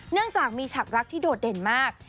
เนื่องจากมีฉากรักที่โดดเด่นมาก